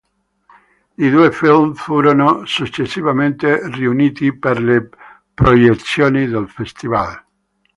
I due film furono successivamente riuniti per le proiezioni del festival.